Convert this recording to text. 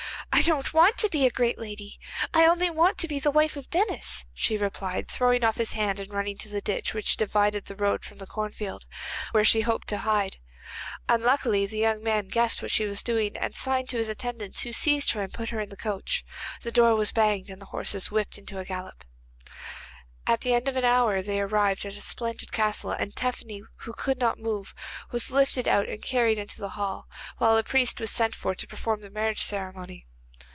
'I don't want to be a great lady, I only want to be the wife of Denis,' she replied, throwing off his hand and running to the ditch which divided the road from the cornfield, where he hoped to hide. Unluckily the young man guessed what she was doing, and signed to his attendants, who seized her and put her in the coach. The door was banged, and the horses whipped up into a gallop. At the end of an hour they arrived at a splendid castle, and Tephany, who would not move, was lifted out and carried into the hall, while a priest was sent for to perform the marriage ceremony.